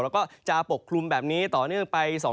แล้วก็จะปกคลุมแบบนี้ต่อเนื่องไป